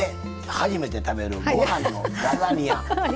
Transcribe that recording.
初めて食べるご飯のラザニア。